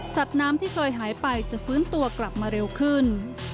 น้ำที่เคยหายไปจะฟื้นตัวกลับมาเร็วขึ้น